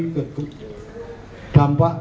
dampak di lombok utara